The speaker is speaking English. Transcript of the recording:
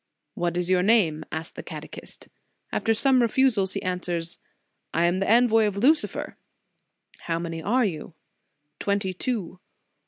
What is your name? asks the catechist. After some refu sals, he answers: I am the envoy of Lucifer. How many are you? Twenty two.